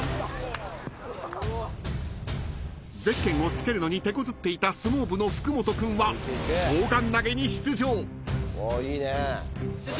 ［ゼッケンを付けるのにてこずっていた相撲部の福本君は砲丸投げに出場］